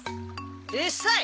うっさい！